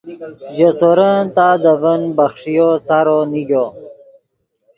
ژے سورن تا دے ڤین بخݰیو سارو نیگو